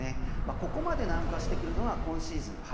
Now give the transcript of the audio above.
ここまで南下してくるのは今シーズン初。